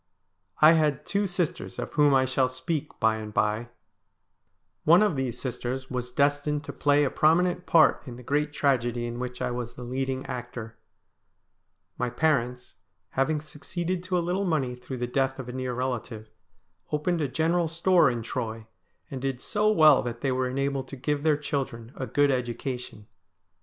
I had two sisters of whom I shall speak by and by. One of S74 STORIES WEIRD AND WONDERFUL these sisters was destined to play a prominent part in the great tragedy in which I was the leading actor. My parents, having succeeded to a little money through the death of a near relative, opened a general store in Troy, and did so well that they were enabled to give their children a good education.